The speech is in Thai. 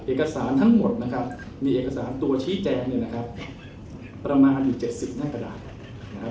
เอกสารทั้งหมดนะครับมีเอกสารตัวชี้แจงเนี่ยนะครับประมาณอยู่เจ็ดสิบหน้ากระดาษนะครับ